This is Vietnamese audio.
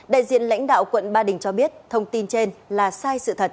đại diện lãnh đạo quận ba đình cho biết thông tin trên là sai sự thật